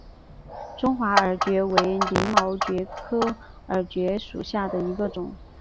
中华耳蕨为鳞毛蕨科耳蕨属下的一个种。